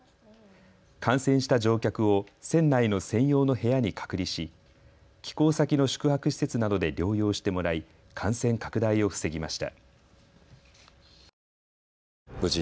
感染した乗客を船内の専用の部屋に隔離し寄港先の宿泊施設などで療養してもらい感染拡大を防ぎました。